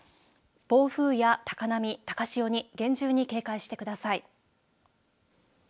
暴風や高波、高潮に厳重に警戒してください。